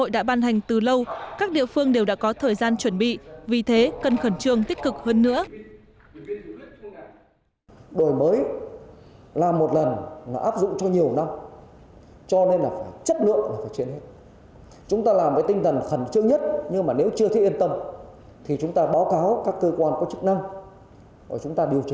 đã ban hành từ lâu các địa phương đều đã có thời gian chuẩn bị vì thế cần khẩn trương tích cực hơn nữa